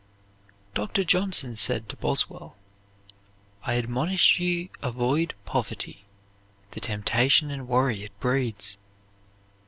Dr. Johnson said to Boswell, "I admonish you avoid poverty, the temptation and worry it breeds."